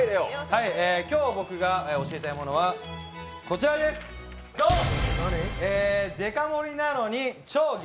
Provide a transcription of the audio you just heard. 今日、僕が教えたいものはこちらですどん。